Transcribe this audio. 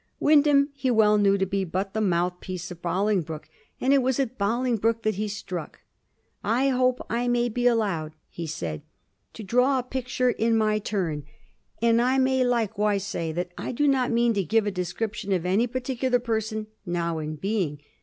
Wyndham he well knew to be but the mouth piece of Bolingbroke, and it wajs at Boling broke that he struck. *'I hope I may be allowed," he s^d, ^^ to draw a picture in my turn ; and I may likewise say that I do not mean to give a description of any par ticular person now in being.